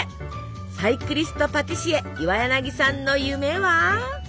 サイクリストパティシエ岩柳さんの夢は？